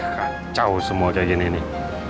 kacau semua kayak gini nih